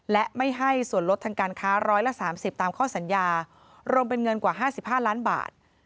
และไม่ให้ส่วนลดทางการค้า๑๓๐ตามข้อสัญญารวมเป็นเงินกว่า๕๕ล้านบาท